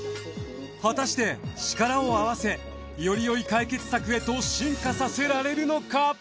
果たして力を合わせよりよい解決策へと進化させられるのか？